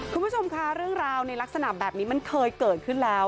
คุณผู้ชมคะเรื่องราวในลักษณะแบบนี้มันเคยเกิดขึ้นแล้ว